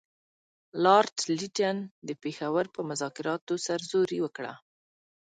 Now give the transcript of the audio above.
لارډ لیټن د پېښور په مذاکراتو کې سرزوري وکړه.